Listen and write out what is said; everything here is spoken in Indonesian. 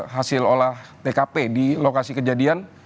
hasil olah tkp di lokasi kejadian